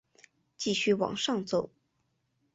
继续往上走